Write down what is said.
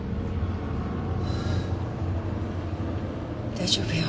大丈夫よ。